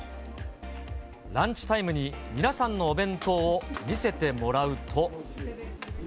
ランチタイムに皆さんのお弁当を見せてもらうと。